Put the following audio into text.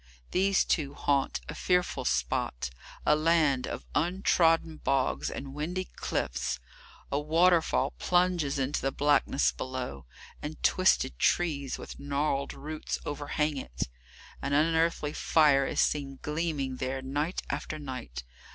These two haunt a fearful spot, a land of untrodden bogs and windy cliffs. A waterfall plunges into the blackness below, and twisted trees with gnarled roots overhang it. An unearthly fire is seen gleaming there night after night.